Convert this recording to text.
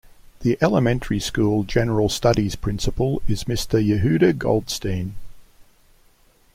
The elementary school general studies principal is Mr. Yehuda Goldstein.